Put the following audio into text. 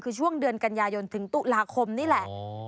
คือช่วงเดือนกันยายนถึงตุลาคมนี่แหละ